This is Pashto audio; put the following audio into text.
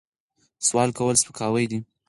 سوال کول سپکاوی دی.